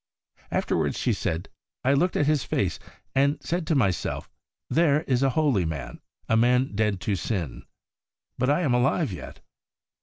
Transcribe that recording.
Afterwards she said, ' I looked at his face, and said to myself, "There is a holy man, a man dead to sin. But I am alive yet."